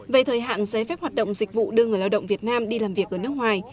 về thời hạn giấy phép hoạt động dịch vụ đưa người lao động việt nam đi làm việc ở nước ngoài